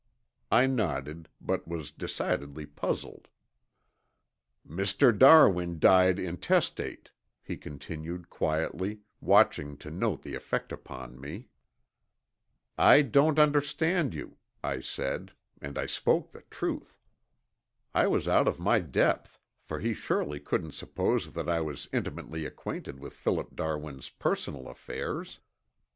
I nodded, but was decidedly puzzled. "Mr. Darwin died intestate," he continued quietly, watching to note the effect upon me. "I don't understand you," I said, and I spoke the truth. I was out of my depth, for he surely couldn't suppose that I was intimately acquainted with Philip Darwin's personal affairs!